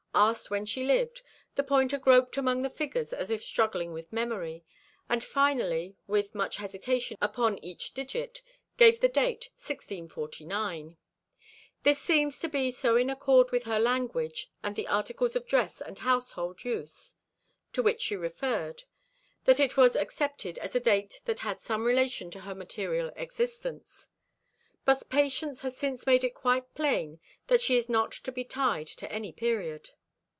Asked when she lived, the pointer groped among the figures as if struggling with memory, and finally, with much hesitation upon each digit, gave the date 1649. This seemed to be so in accord with her language, and the articles of dress and household use to which she referred, that it was accepted as a date that had some relation to her material existence. But Patience has since made it quite plain that she is not to be tied to any period.